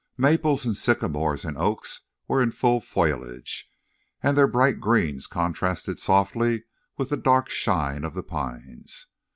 Maples and sycamores and oaks were in full foliage, and their bright greens contrasted softly with the dark shine of the pines.